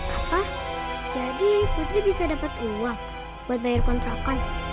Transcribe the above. apa jadi putri bisa dapat uang buat bayar kontrakan